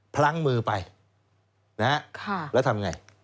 พลั้งมือไปแล้วทำไง